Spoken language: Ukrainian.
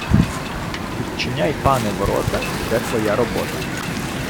Відчиняй, пане, ворота- йде твоя робота!